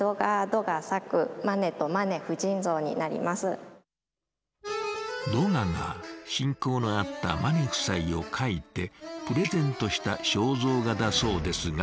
ドガが親交のあったマネ夫妻を描いてプレゼントした肖像画だそうですが。